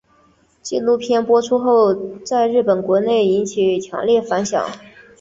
纪录片播出后在日本国内引起强烈反响。